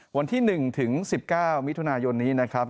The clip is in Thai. วันที่๑ถึง๑๙มิถุนายนนี้นะครับ